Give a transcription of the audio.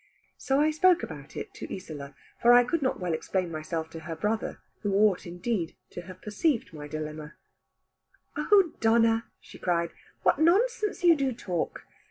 So I spoke about it to Isola, for I could not well explain myself to her brother, who ought indeed to have perceived my dilemma. "Oh Donna," she cried, "what nonsense you do talk!